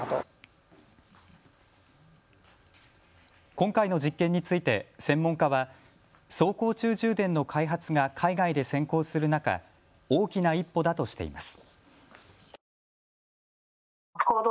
今回の実験について専門家は走行中充電の開発が海外で先行する中、大きな一歩だとしています。